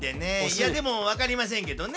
いやでも分かりませんけどね。